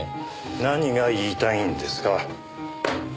何が言いたいんですか。